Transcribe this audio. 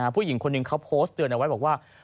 ผู้หญิงคนหนึ่งเขาโพสต์เตือนเอาไว้บอกว่า